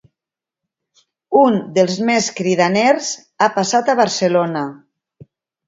Un dels més cridaners ha passat a Barcelona.